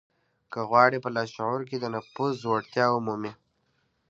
که غواړئ په لاشعور کې د نفوذ وړتيا ومومئ.